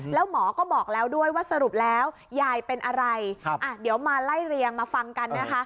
แล้วหมอก็บอกแล้วด้วยว่าสรุปแล้วยายเป็นอะไรเดี๋ยวมาไล่เรียงมาฟังกันนะคะ